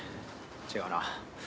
違うな。